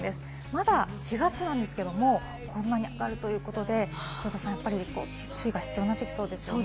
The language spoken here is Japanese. まだ４月なんですけれども、こんなに上がるということで、やっぱり注意が必要になってきそうですね。